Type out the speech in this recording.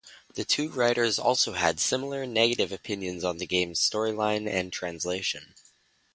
The two writers also had similar, negative opinions on the game's storyline and translation.